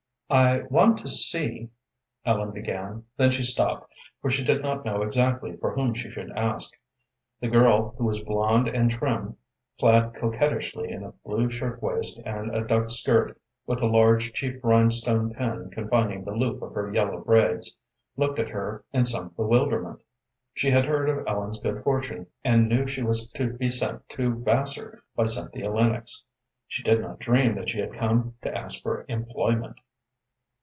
"I want to see " Ellen began, then she stopped, for she did not exactly know for whom she should ask. The girl, who was blond and trim, clad coquettishly in a blue shirt waist and a duck skirt, with a large, cheap rhinestone pin confining the loop of her yellow braids, looked at her in some bewilderment. She had heard of Ellen's good fortune, and knew she was to be sent to Vassar by Cynthia Lennox. She did not dream that she had come to ask for employment.